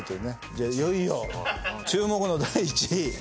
じゃあいよいよ注目の第１位。